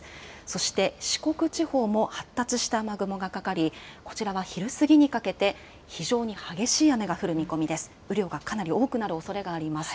そして四国地方も発達した雨雲がかかり、こちらは昼過ぎにかけて、非常に激しい雨が降る見込みです。